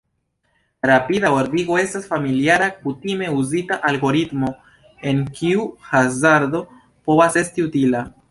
Rapida ordigo estas familiara, kutime uzita algoritmo en kiu hazardo povas esti utila.